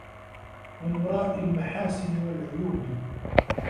وَمُرَائِي الْمَحَاسِنِ وَالْعُيُوبِ